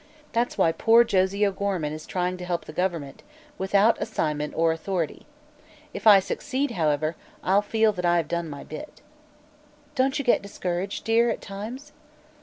That's why poor Josie O'Gorman is trying to help the government, without assignment or authority. If I succeed, however, I'll feel that I have done my bit." "Don't you get discouraged, dear, at times?"